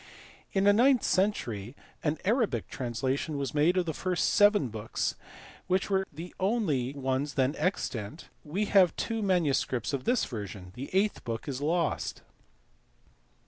In the ninth century an Arabic translation was made of the first seven books, which were the only ones then extant; we have two manuscripts of this version. The eighth book is lost.